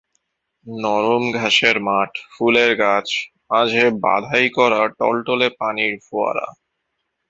নরম ঘাসের মাঠ, ফুলের গাছ, মাঝে বাঁধাই করা টলটলে পানির ফোয়ারা।